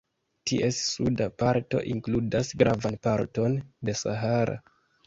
Ties suda parto inkludas gravan parton de Sahara.